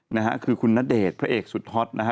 นะฮะคือคุณณเดชน์พระเอกสุดฮอตนะฮะ